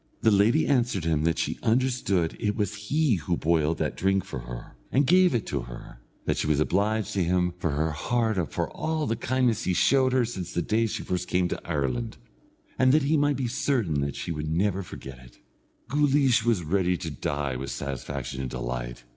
The lady answered him that she understood it was he who boiled that drink for her, and gave it to her; that she was obliged to him from her heart for all the kindness he showed her since the day she first came to Ireland, and that he might be certain that she never would forget it. Guleesh was ready to die with satisfaction and delight.